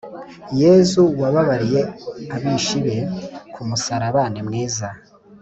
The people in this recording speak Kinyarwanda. yezu wababariye abishi be k’umusaraba ni mwiza